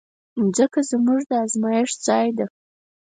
مځکه زموږ د ازمېښت ځای ده.